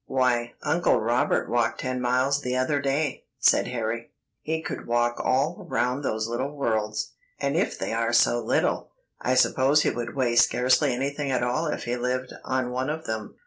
"Why, Uncle Robert walked ten miles the other day," said Harry; "he could walk all around those little worlds. And if they are so little, I suppose he would weigh scarcely anything at all if he lived on one of them.